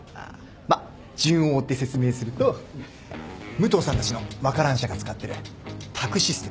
まっ順を追って説明すると武藤さんたちのワカラン社が使ってる宅・システム。